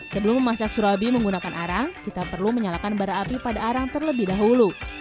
sebelum memasak surabi menggunakan arang kita perlu menyalakan bara api pada arang terlebih dahulu